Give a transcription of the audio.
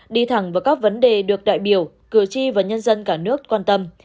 đi thẳng vào các vấn đề được đại biểu cử tri và nhân dân cả nước quan tâm